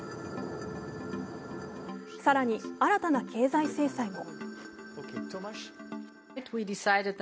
更に、新たな経済制裁も。